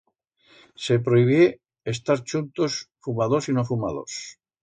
Se prohibié estar chuntos fumadors y no fumadors.